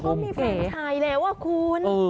เขามีแฟนชายแล้วอะคุณ